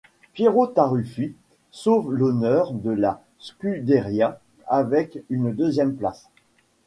Piero Taruffi sauve l'honneur de la Scuderia avec une deuxième place.